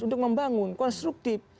untuk membangun konstruktif